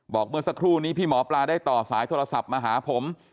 เมื่อสักครู่นี้พี่หมอปลาได้ต่อสายโทรศัพท์มาหาผม